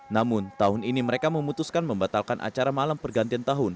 namun tahun ini mereka memutuskan membatalkan acara malam pergantian tahun